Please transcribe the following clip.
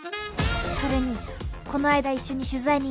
それにこの間一緒に取材に行った時も。